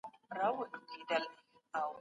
تولیدي عوامل به کارګران بې کاره نه کړي.